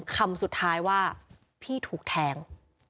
คำสุดท้ายว่าพี่ถูกแทง